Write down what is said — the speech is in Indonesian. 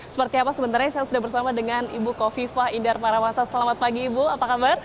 seperti apa sebenarnya saya sudah bersama dengan ibu kofifa indar parawata selamat pagi ibu apa kabar